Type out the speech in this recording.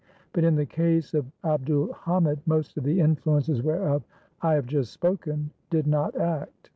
But in the case of Abd ul Hamid most of the influences whereof I have just spoken did not act.